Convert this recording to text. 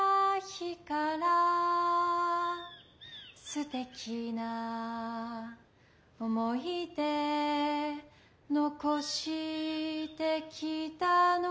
「すてきな思い出残してきたのに」